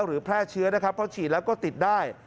หรือแพร่เชื้อเพราะฉีดแล้วก็ติดได้